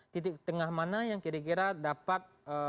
titik tengah mana yang kira kira dapat